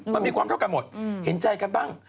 มันมีความเท่ากันหมดเห็นใจกันบ้าง